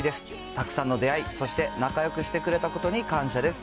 たくさんの出会い、そして仲よくしてくれたことに感謝です。